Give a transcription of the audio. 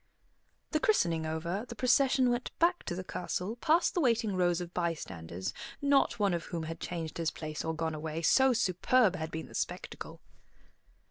The christening over, the procession went back to the castle, past the waiting rows of bystanders, not one of whom had changed his place or gone away, so superb had been the spectacle.